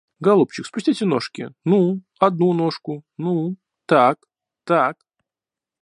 Голубчик, спустите ножки, ну, одну ножку, ну, так, так.